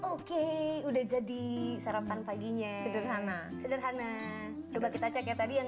oke udah jadi sarapan paginya sederhana sederhana coba kita cek ya tadi yang